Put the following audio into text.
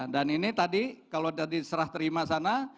dan ini tadi kalau tadi serah terima sana